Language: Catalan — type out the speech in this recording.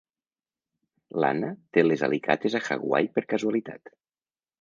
L'Anna té les alicates a Hawaii per casualitat.